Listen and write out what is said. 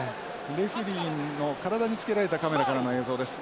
レフェリーの体に着けられたカメラからの映像です。